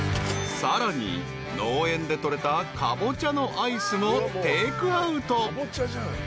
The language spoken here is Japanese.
［さらに農園で取れたカボチャのアイスもテークアウト］